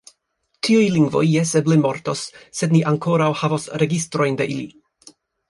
Tiuj lingvoj, jes, eble mortos, sed ni ankoraŭ havos registrojn de ili.